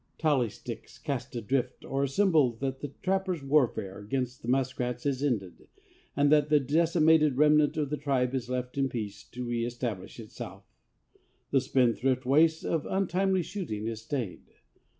Tally sticks cast adrift are a symbol that the trapper's warfare against the muskrats is ended and that the decimated remnant of the tribe is left in peace to reëstablish itself. The spendthrift waste of untimely shooting is stayed.